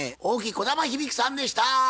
大木こだまひびきさんでした。